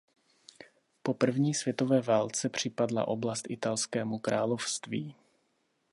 Po první světové válce připadla oblast Italskému království.